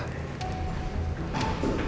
nanti aku mau sekolah